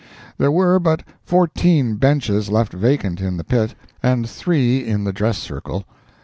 There were but fourteen benches left vacant in the pit, and three in the dress circle.